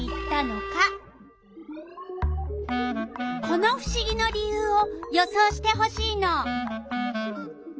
このふしぎの理由を予想してほしいの。